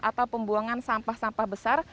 atau pembuangan sampah sampah besar